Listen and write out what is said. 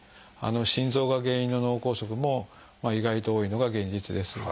心臓が原因の脳梗塞も意外と多いのが現実です。